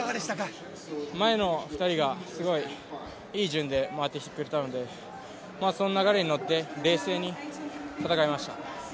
前の２人がいい順で回ってきてくれたのでその流れにのって冷静に戦いました。